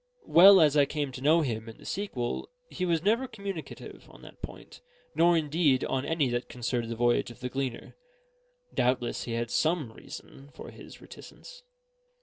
Well as I came to know him in the sequel, he was never communicative on that point, nor indeed on any that concerned the voyage of the Gleaner. Doubtless he had some reason for his reticence.